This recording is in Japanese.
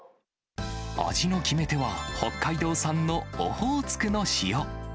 味の決め手は、北海道産のオホーツクの塩。